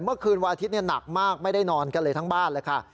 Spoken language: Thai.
เมื่อคืนวันอาทิตย์หนักมากไม่ได้นอนกันเลยทั้งบ้านเลยค่ะ